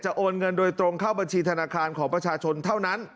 โอนเงินโดยตรงเข้าบัญชีธนาคารของประชาชนเท่านั้น